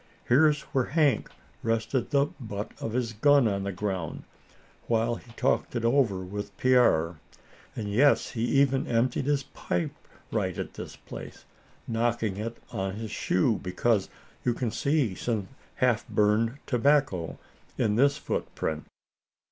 Here's where Hank rested the butt of his gun on the ground, while he talked it over with Pierre; and yes, he even emptied his pipe right at this place, knocking it on his shoe, because you can see some half burned tobacco in this footprint."